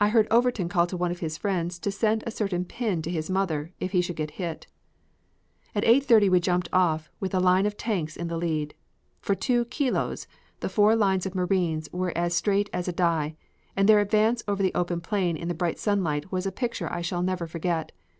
I heard Overton call to one of his friends to send a certain pin to his mother if he should get hit. At 8.30 we jumped off with a line of tanks in the lead. For two "kilos" the four lines of Marines were as straight as a die, and their advance over the open plain in the bright sunlight was a picture I shall never forget.